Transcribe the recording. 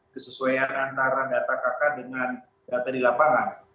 kesesuaian antara data kakak dengan data di lapangan